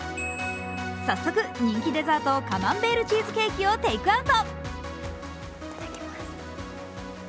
早速、人気デザートカマンベールチーズケーキをテークアウト。